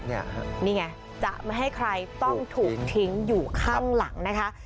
นี่ไงจะไม่ให้ใครต้องถูกทิ้งอยู่ข้างหลังนะคะ